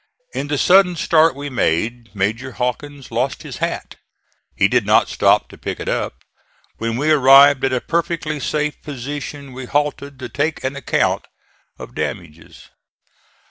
In the sudden start we made, Major Hawkins lost his hat. He did not stop to pick it up. When we arrived at a perfectly safe position we halted to take an account of damages.